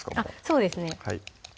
そうですね